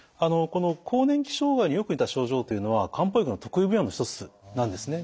この更年期障害によく似た症状というのは漢方薬の得意分野の一つなんですね。